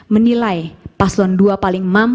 menilai paslon dua paling mampu